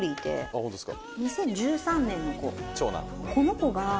あっホントっすか。